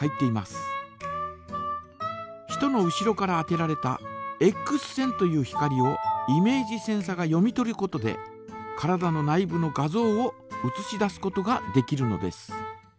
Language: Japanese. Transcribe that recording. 人の後ろから当てられたエックス線という光をイメージセンサが読み取ることで体の内部の画像をうつし出すことができるのです。